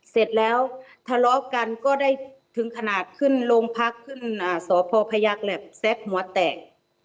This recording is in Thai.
เสร็จแล้วทะเลาะกันก็ได้ถึงขนาดขึ้นโรงพักขึ้นสพพยักษ์แบบแซ็กหัวแตก